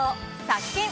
殺菌！